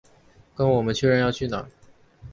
跟我们确认要去哪